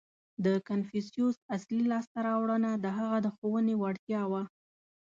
• د کنفوسیوس اصلي لاسته راوړنه د هغه د ښوونې وړتیا وه.